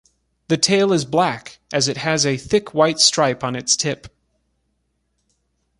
The tail is black as it has a thick white stripe on its tip.